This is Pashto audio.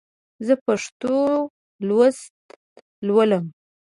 زه پښتو لوست لولم.